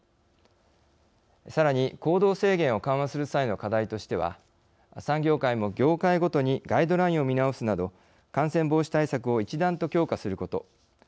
さらに、行動制限を緩和する際の課題としては産業界も業界ごとにガイドラインを見直すなど感染防止対策を一段と強化すること。